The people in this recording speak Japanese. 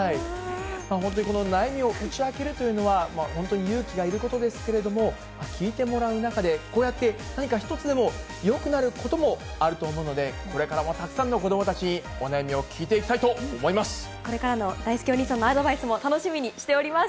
本当にこの悩みを打ち明けるというのは、本当に勇気がいることですけれども、聞いてもらう中でこうやって何か一つでもよくなることもあると思うので、これからもたくさんの子どもたち、お悩みを聞いていきたいと思いまこれからのだいすけお兄さんのアドバイスも楽しみにしております。